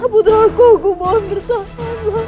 putraku aku mohon pertolongan